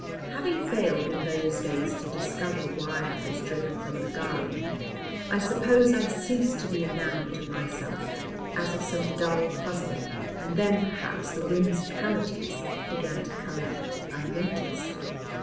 Having failed in those days to discover why I was driven from the garden, I suppose I ceased to be enamoured of myself, as of some dull puzzle, and then perhaps the whimsicalities began to collect unnoticed.